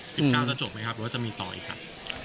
สิบเก้าจะจบไหมครับหรือว่าจะมีต่ออีกครับ